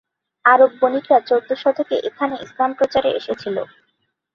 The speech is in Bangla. আরব বণিকরা চৌদ্দ শতকে এখানে ইসলাম প্রচারে এসেছিল।